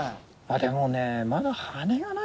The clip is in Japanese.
でもね。